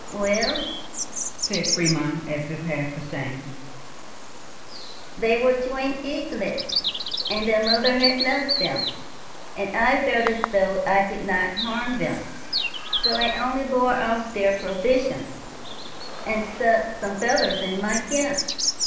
"Well," said Friedmund, as if half ashamed, "they were twin eaglets, and their mother had left them, and I felt as though I could not harm them; so I only bore off their provisions, and stuck some feathers in my cap.